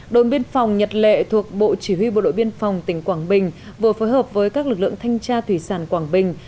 đồn biên phòng nhật lệ thuộc bộ chỉ huy bộ đội biên phòng tỉnh quảng bình vừa phối hợp với các lực lượng thanh tra thủy sản quảng bình